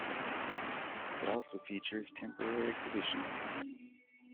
It also features temporary exhibitions.